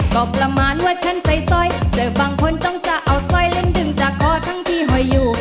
ก็ประมาณว่าฉันใส่สร้อยเจอบางคนต้องจะเอาสร้อยเล่นดึงจากคอทั้งที่หอยอยู่